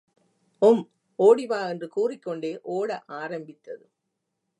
உம், ஒடி வா என்று கூறிக்கொண்டே ஒட ஆரம்பித்தது.